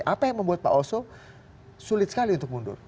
apa yang membuat pak oso sulit sekali untuk mundur